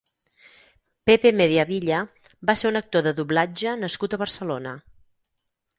Pepe Mediavilla va ser un actor de doblatje nascut a Barcelona.